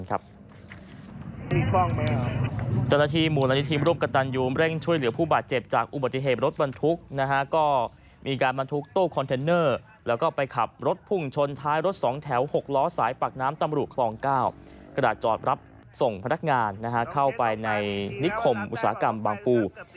เจ้าหน้าที่มูลนิธิร่วมกับตันยูมเร่งช่วยเหลือผู้บาดเจ็บจากอุบัติเหตุรถบรรทุกก็มีการบรรทุกตู้คอนเทนเนอร์แล้วก็ไปขับรถพุ่งชนท้ายรถสองแถว๖ล้อสายปากน้ำตำรุคลอง๙กระดาษจอดรับส่งพนักงานเข้าไปในนิคมอุตสาหกรรมบางปู